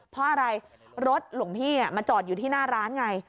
เพราะอะไรรถหลวงพี่มาจอดอยู่ที่หน้าร้านไง